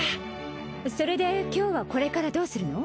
それで今日はこれからどうするの？